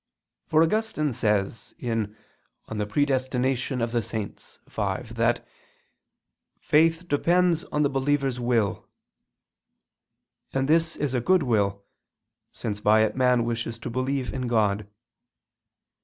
For Augustine says (De Praedest. Sanct. v) that "faith depends on the believer's will": and this is a good will, since by it man wishes to believe in God.